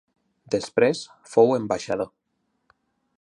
Després fou ambaixador.